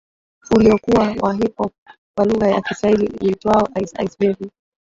Uliokuwa wa Hip Hop kwa lugha ya Kiswahili uitwao Ice Ice Baby